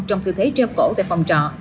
trong tư thế treo cổ tại phòng trọ